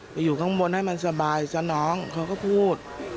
อยู่ข้างบนให้มันสบายซะน้องเขาก็พูด